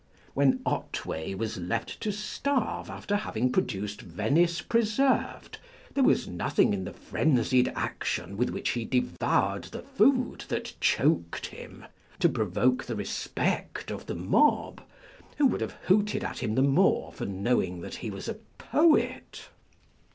When Otway was left to starve after having produced Venice Preserved, there was nothing in the frenzied action with which he devoured the food that choked him, to provoke the respect of the mob, who would have hooted at him the more for knowing that he was a poet.